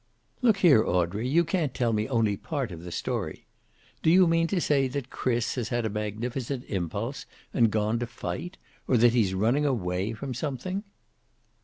"Look here, Audrey, you can't tell me only part of the story. Do you mean to say that Chris has had a magnificent impulse and gone to fight? Or that he's running away from something?"